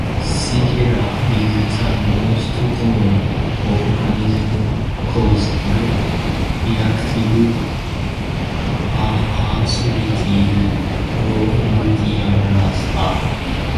"Shigella" is the most common organism causing reactive arthritis following diarrhea.